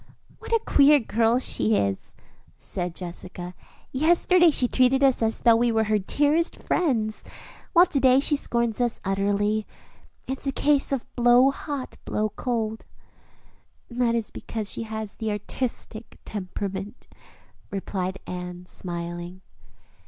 "What a queer girl she is," said Jessica. "Yesterday she treated us as though we were her dearest friends, while to day she scorns us utterly. It's a case of 'blow hot, blow cold.'" "That is because she has the artistic temperament," replied Anne, smiling.